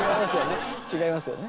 違いますよね。